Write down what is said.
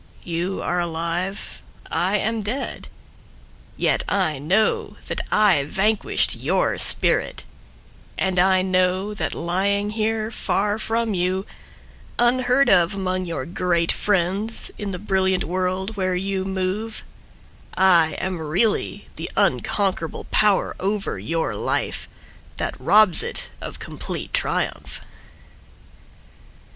You are alive, I am dead. Yet I know that I vanquished your spirit; And I know that lying here far from you, Unheard of among your great friends In the brilliant world where you move, I am really the unconquerable power over your life That robs it of complete triumph.